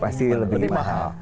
pasti lebih mahal